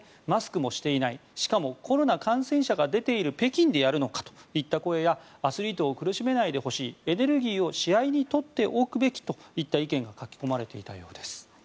マスクもしていないしかもコロナ感染者が出ている北京でやるのかといった声やアスリートを苦しめないでほしいエネルギーを試合に取っておくべきといった意見が書き込まれていたようです。